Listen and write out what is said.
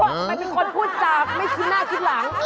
เป็นคนพูดจาไม่คิดหน้าคิดหลัง